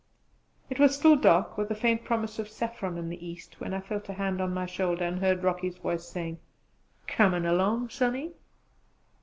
It was still dark, with a faint promise of saffron in the East, when I felt a hand on my shoulder and heard Rocky's voice saying, "Comin' along, Sonny?"